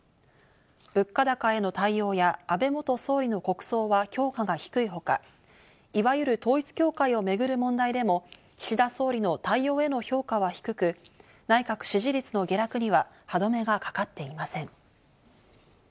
物価高への対応や安倍元総理の国葬は評価が低いほか、いわゆる統一教会をめぐる問題でも岸田総理の対応への評価は低く、内閣支持率の下落には歯止めがかかっていません。